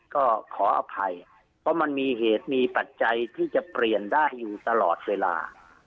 ก็ขออภัยเพราะมันมีเหตุมีปัจจัยที่จะเปลี่ยนได้อยู่ตลอดเวลา